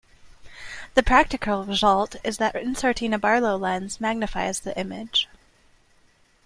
The practical result is that inserting a Barlow lens magnifies the image.